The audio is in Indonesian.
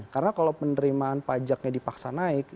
karena kalau penerimaan pajaknya dipaksa naik